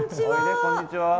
こんにちは。